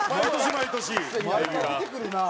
毎回出てくるなあ。